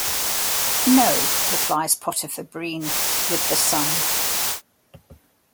"No," replies Potiphar Breen, "with the Sun.